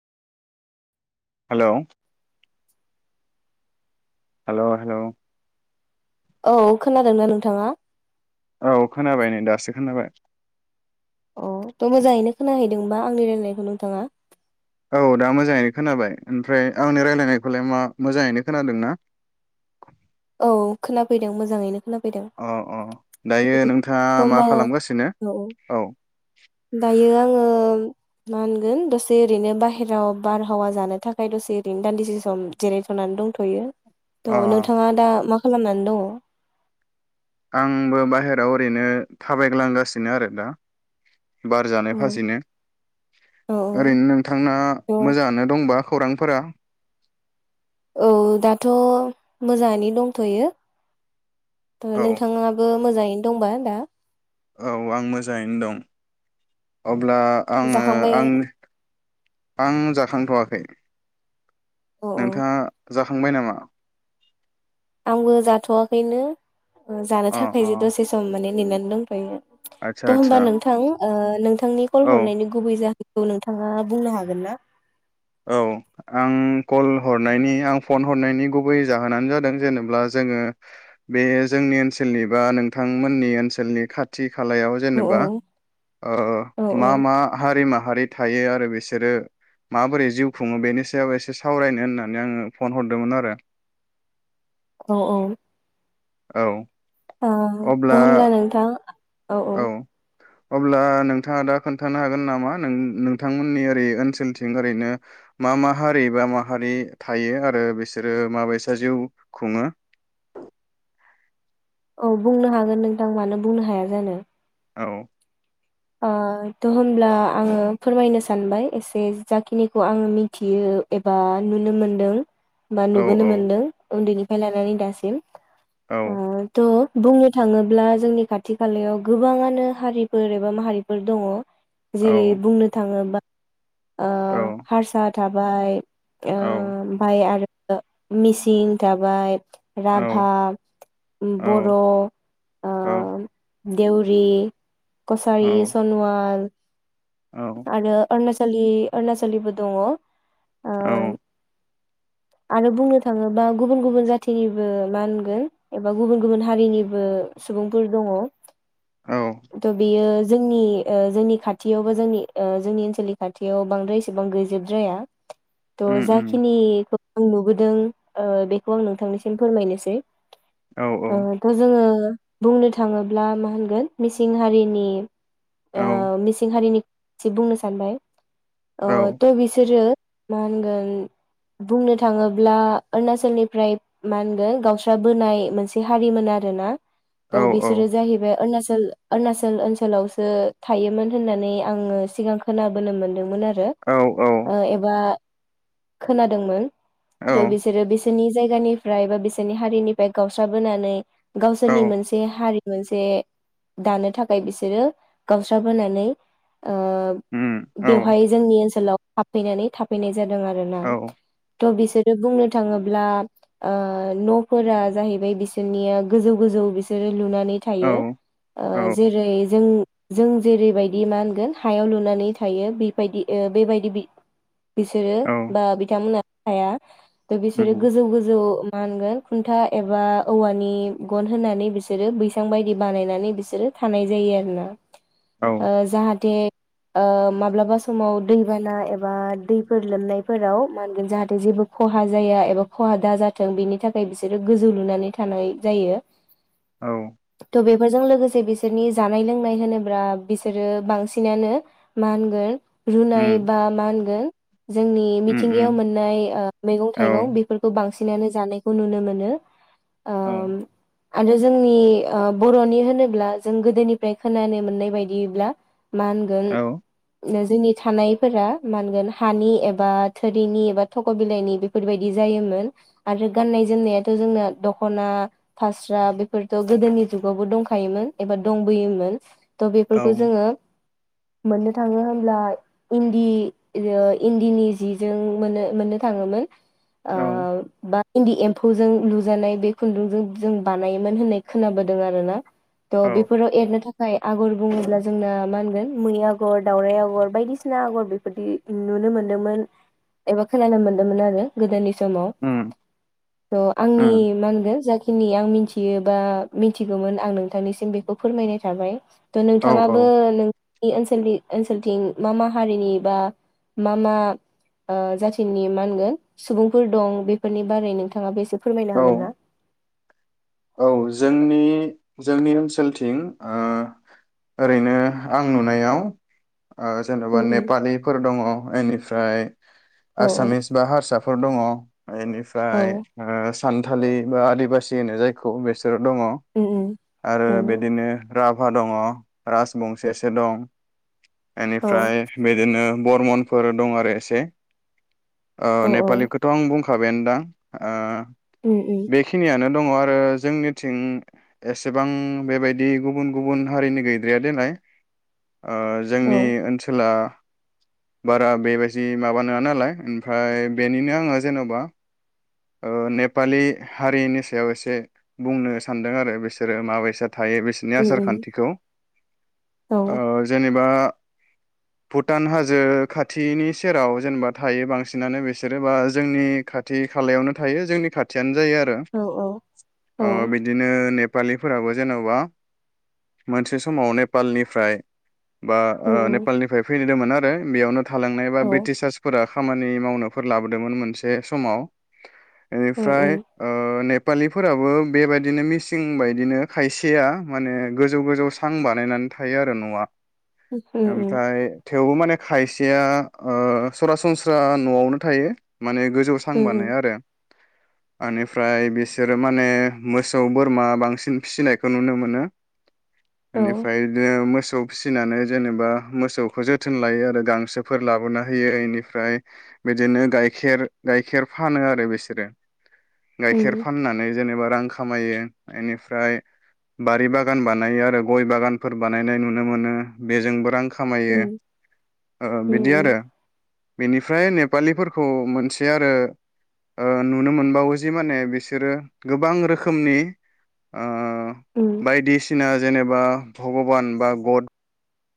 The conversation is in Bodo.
हेलौ। Hello hello. औ खोनादोंना नोंथाङा? औ खोनाबाय नै दासो खोनाबाय अ थ' मोजाङैनो खोनाहैदोंबा आंनि रायनायखौ नोंथाङा? औ दा मोजाङैनो खोनाबाय ओमफ्राय आंनि रायलायनायखौलाय मा मोजाङैनो खोनादों ना? औ खोनाफैदों मोजाङैनो। खोनाफैदों अ अ दायो नोंथाङा थ' मा होमबा खालामगासिनो औ औ। दायो आङो मा होनगोन दसे ओरैनो बाहेरायाव बारहावा जानो थाखाय दसे ओरैनो दान्दिसे सम जिरायथ'नानै दंथ'यो। थ' अ नोंथाङा दा मा खालामनानै दङ? आंबो बाहेराव ओरैनो थाबायग्लांगासिनो आरो दा। बार जानाय फासेनो ओरैनो औ नोंथांङा मोजाङानो दंबा? खौरांफोरा। औ दाथ' मोजाङै दंथ'यो। थ औ नोंथाङाबो मोजाङैनो दंबा दा? औ आं मोजाङैनो दं [unintelligible] अब्ला आङो जाखांबाय आं आं जाखांथ'वाखै। अ नोंथाङा जाखांबाय नामा? आंबो जाथ'वाखैनो। जानो अ थाखाय अ जे दसे सम माने नेनानै दंथ'यो। आदसा थ' आदसा होमबा नोंथां ओ नों थांनि कल औ हरनायनायनि गुबै जाहोन औ नोंथाङा बुंनो हागोन ना? औ आं कल हरनायनि आं फन हरनायनि गुबै जाहोनानो जादों जेनोब्ला जोङो बे जोंनि ओनसोलनि बा नोंथांमोननि ओनसोलनि खाथि खालायाव औ जेनेबा ओ औ मा मा हारि माहारि थायो आरो बिसोरो माबोरै जिउ खुङो बेनि सायाव एसे सावरायनो होननानै आङो फन हरदोंमोन आरो औ औ औ ओ दा अब्ला होमब्ला नोंथां? औ औ अब्ला नोंथाङा दा खोन्थानो हागोन नामा नों नोंथांमोननि ओरै ओनसोलथिं ओरैनो मा मा हारि बा माहारि थायो आरो बिसोरो माबायसा जिउ खुङो? औ बुंनो हागोन नोंथां मानो बुंनो हाया जानो? औ ओ थ' होमब्ला आङो फोरमायनो सानबाय एसे जाखिनिखौ आङो मिथियो एबा नुनो मोनदों। बा औ नुबोनो मोनदों उन्दैनि ओ लानानै दासिम। औ ओ द' बुंनो थाङोब्ला जोंनि खाथि खालायाव गोबाङानो हारिफोर बा माहारिफोर दङ। जेरै औ बुंनो थाङोबा ओ औ हारसा थाबाय। ओ [unintelligible] औ ओमफाय आरो ओ मिसिं थाबाय औ राभा, औ बर' ओ देउरि, कसारि सन'वाल, औ आरो अरुणाचल खालि अरणाचलनिबो दङ। औ आरो बुंनो थाङोबा गुबुन गुबुन जाथिनिबो मा होनगोन एबा गुबुन गुबुन हारिनिबो सुबुंफोर दङ। औ थ' बेयो जोंनि ओ जोंनि खाथियाव बा जोंनि ओ जोंनि ओनसोलनि खाथियाव बांद्राय एसेबां गैजोब द्राया। थ' उम उम जाखिनि आं नुबोदों ओ बेखौ आं नोंथांनिसिम फोरमायनोसै, औ ओ थ' जोङो बुंनो थाङोब्ला मा होनगोन मिस सिं हारिनि औ ओ मिसिं हारिनि एसे बुंनो सानबाय अ औ थ' बिसोरो मा होनगोन बुंनो थाङोब्ला अरुणाचलनिफ्राय मा होनगोन गावस्रा बोनाय मोनसे हारिमोन आरोना? औ थ' बिसोरो जाहैबाय अरुणचल [unintelligible] अरुणाचल ओनसोलावसो थायोमोन होननानै आङो सिगां खोनाबोनो मोन्दोंमोन आरो आरो औ ओ एबा खोनादोंमोन, द' औ बिसोरो बेस जोंनि जायगानिफ्राय बा बिसोरनि हारिनिफ्राय गावस्राबोनानै गावसोरनि मोनसे हारि, मोनसे दानो थाखाय बिसोरो गावस्राबबोनानै, ओ उम औ बेवहाय जोंनि ओनसोलाव, हाबफैनानै थाफैनाय जादों आरोना? औ थ' बिस बिसोरो बुंनो थाङोब्ला ओ न'फोरा जाहैबाय बिसोरनिया गोजौ गोजौ बिसोरो, लुनानै औ थायो। आ औ जेरै जों जों जेरैबायदि मा होनगोन हायाव लुनानै थायो बेबायदि बेबायदि बिथोन बिसोरो बा बिथांमोना? आइया दा बिसोरो उम गोजौ गोजौ मा होनगोन खुन्था एबा औवानि गन होनानै बिसोरो बैसां बायदि बानायनानै बिसोरो थानाय जायो आरोना? औ ओ जाहाथे। ओ माब्लाबा समाव दैबाना एबा दैफोर लोमनायफोराव मा होनगोन जाहाथे जेबो खहा जाया एबा खहा दाजाथों बिनि थाखाय बिसोरो गोजौ लुनानै थानाय जायो। औ थ बे बेजों लोगोसे से बिसोरनि जानाय लोंनाय होनोब्ला बिसोरो बांसिनानो मा होनगोन। रुनाय उम बा मा होनगोन। जोंनि उम उम मिथिंगायाव मोननाय ओ मैगं औ थाइगं बेफोरखौ बांसिन। बिनानै जानायखौ नुनो मोनो। औ। ओम आरो जोंनि ओ बर'नि होनो ब्ला जों गोदोनिफ्राय खोनानो मोननाय बायदिब्ला। मा होनगोन। जोंनि थानायफोरा मा होनगोन हानि एबा थोरिनि एबा थख' बिलाइनि बेफोरबायदि जायोमोन आरो गाननाय जोमनायाथ' जोंना दख'ना फास्रा बेफोरथ' गोदोनि जुगावबो दंखायोमोन। एबा‌ दंबोयोमोन। थ' बेफोरखौ जोङो। मोननो थाङो होनब्ला इन्दि ओ इन्दिनि जिजों मोनो- मोननो थाङोमोन। ओ औ बा इन्दि एम्फौजों लुजानाय बे खुन्दुंजों जों बानायोमोन होननाय खोनाबोदों आरो ना। थ' औ बेफोराव एरनो था खाय आगर बुङोब्ला जोंना मा होनगोन मै आगर दावराइ आगर बायदिसिना आगर बेफोरदि नुनो मोन्दोंमोन एबा खोनानो मोन्दोंमोन आरो गोदोनि। समाव उम थ' उम औ आंनि मा होनगोन जाखिनि। खिनि आं मिथियो बा मिथिगौमोन आं नोंथांनि। बेखौ फोरमायनाय थाबाय। थ' औ नोंथाङाबो नोंनि ओनसोलनि। ओनसोलथिं मा मा हारिनि बा मा मा ओ जाथिनि मा होनगोन सुबुंफोर दं बेफोरनि बारै नोंथाङा एसे फोरमायनो औ हागोन ना। औ जोंनि जोंनि ओनसोलथिं ओ ओरैनो आं नुनायाव ओ जेन'बा उम उम नेपालिफोर दङ एनि फ्राय औ आसामिस बा हारसा फोर दङ। औ इनिफ्राय ओ सानथालि बा आदिबासि होनो जाय खौ बेस सोर दङ उम उम आरो उम बिदिनो। राभा दङ राजबंसि एसे दं औ एनिफ्राय बिदिनो बरमनफोर दं आरो एसे औ औ नेपालिखौथ' आं बुंखां खाबायानोदां ओ उम उम बेखिनियानो दङ ओ जोंनिथिं एसेबां बेबायदि गुबुन गुबुन हारिनि गैद्राया देलाय ओ औ जोंनि ओनसोला बारा बेबायदि माबा नंङा नालाय ओमफ्राय बेनिनो आंङो जेन'बा ओ नेपालि हारिनि सायाव एसे बुंनो सानदों आरो बिसोरो माबायसा थायो बिसोरनि उम आसार उम खान्थिखौ औ ओ जेनेबा भुटान हाजो खाथिनि सेराव जेनेबा थायो बांसिनानो बिसोरो बा जोंनि खाथि खालायावनो थायो जोंनि खाथियानो जायो आरो औ औ औ ओ बिदिनो ओ नेपालिफोराबो जेन'बा मोनसे समाव नेपालनिफ्राय बा उम ओ उम नेपालनिफ्राय फैनो फैदोंमोन आरो बेयावनो थालांनाय बा औ ब्रिटिस सार्सफोरा खामानि मावनोफोर लाबोदोंमोन मोनसे समाव उम बेनिफ्राय उम ओ नेप पालि फोराबो बेबायदिनो मिसिं बायदिनो खायसेया माने गोजौ गोजौ सां बानायनानै थायो आरो न'आ उम ओमफ्राय थेवबो माने खायसेया ओ सरासनस्रा न'आवनो थायो माने गोजौ सां उम उम बानायो आरो ओनिफ्राय बेसे बिसोरो माने मोसौ बोरमा बांसिन फिसिनायखौ नुनो मोनो औ इनिफ्राय मोसौ मोसौ फिसिनानै जेनेबा मोसौखौ जोथोन लायो आरो गांसोफोर लाबोना होयो बेनिफ्राय इनिफ्राय बिदिनो गाइखेर गाइखेर फानो आरो बिसोरो उम गाइखेर फाननानै जेनेबा रां खामायो बेनिफ्राय बारि बागान बानायो आरो गय बागानफोर बानायनाय नुनो मोनो बेजोंबो रां खा खामायो उम ओ बिदि उम उम आरो बेनिफ्राय नेपालिफोरखौ मोनसे आरो ओ नुनो मोनबावो जि माने बिसे बिसोरो गोबां रोखोमनि ओ उम बायदि सि बायदिसिना जेनेबा भगबान बा गड